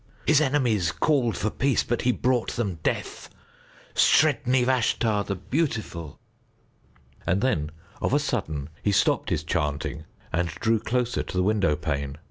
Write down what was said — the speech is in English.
His enemies called for peace, but he brought them death. Sredni Vashtar the Beautiful. And then of a sudden he stopped his chanting and drew closer to the window pane.